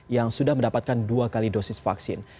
yang sudah mendapatkan dua kali dosis vaksin